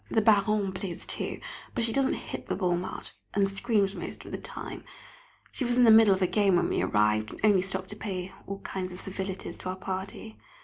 The Baronne plays too, but she doesn't hit the ball much, and screams most of the time; she was in the middle of a game when we arrived, and only stopped to pay all kinds of civilities to our party.